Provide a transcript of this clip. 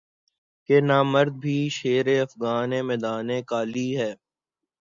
کہ یہ نامرد بھی شیر افگنِ میدانِ قالی ہے